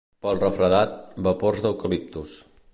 Pel refredat, vapors d'eucaliptus.